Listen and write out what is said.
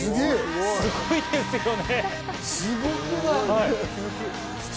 すごいですよね。